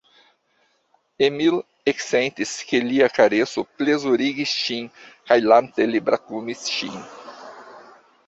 Emil eksentis, ke lia kareso plezurigis ŝin kaj lante li brakumis ŝin.